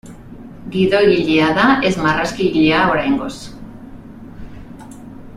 Gidoigilea da ez marrazkigilea, oraingoz.